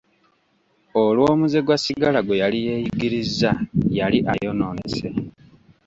Olw'omuze gwa sigala gwe yali yeeyigirizza yali ayonoonese.